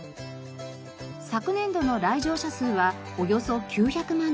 昨年度の来場者数はおよそ９００万人。